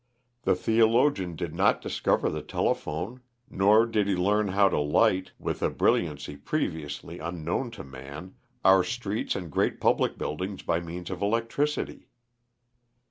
The theologian did not discover the telephone, nor did he learn how to light with a brilliancy previously unknown to man our streets and great public buildings by means of electricity.